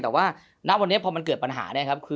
แต่ว่าณวันนี้พอมันเกิดปัญหาเนี่ยครับ